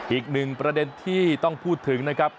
อีกหนึ่งประเด็นที่ต้องพูดถึงนะครับ